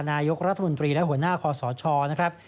นายกรัฐมดิและหัวหน้าขอสอชอว์